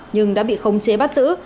nhưng đã bị khống chế bắt giữ